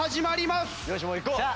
よしもういこう！